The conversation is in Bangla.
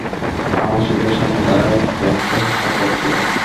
আমার চোখের সামনে তারা একজনকে হত্যা করছিলো।